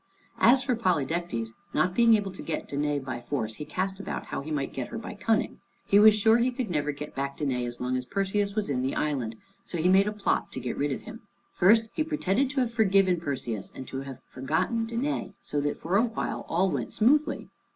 As for Polydectes, not being able to get Danæ by force, he cast about how he might get her by cunning. He was sure he could never get back Danæ as long as Perseus was in the island, so he made a plot to get rid of him. First he pretended to have forgiven Perseus, and to have forgotten Danæ, so that for a while all went smoothly.